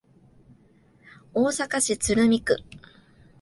大阪市鶴見区